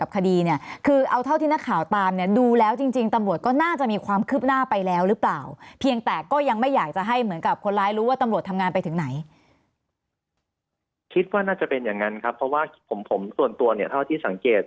คิดว่าน่าจะเป็นอย่างนั้นครับเพราะว่าผมส่วนตัวเนี่ยเท่าที่สังเกต